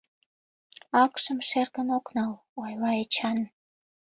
— Акшым шергын ок нал, — ойла Эчан.